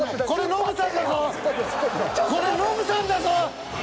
これノブさんだぞ！